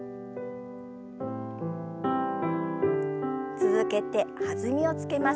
続けて弾みをつけます。